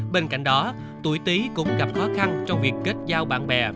bên cạnh đó tuổi tí cũng gặp khó khăn trong việc kết giao bạn bè